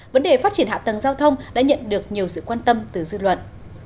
vấn đề phát triển hạ tầng giao thông đã nhận được nhiều sự quan tâm từ dư luận